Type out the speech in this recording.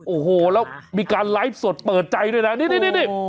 โอ้โหแล้วมีการไลฟ์สดเปิดใจด้วยนะนี่